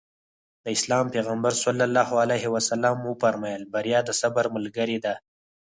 د اسلام پيغمبر ص وفرمايل بريا د صبر ملګرې ده.